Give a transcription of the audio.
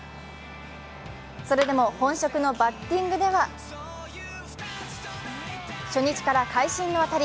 それでも本職のバッティングでは、初日から会心の当たり。